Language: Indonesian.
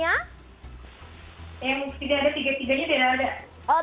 yang ketiga ada